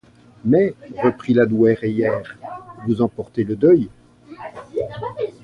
Mais, reprit la douairière, vous en portez le deuil?